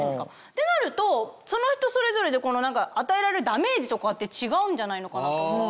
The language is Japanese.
ってなるとその人それぞれで与えられるダメージとかって違うんじゃないのかなと。